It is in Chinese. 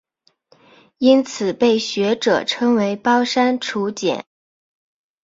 因此被学者称为包山楚简。